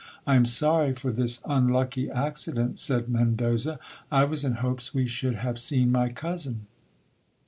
I am sorry for this unlucky accident, said Mendoza, I was in hopes we should have seen my cousin.